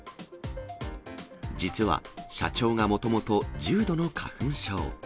実は、社長がもともと重度の花粉症。